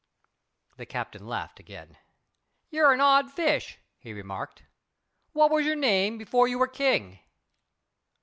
The Captain laughed again. "You're an odd fish," he remarked. "What was your name before you were King?"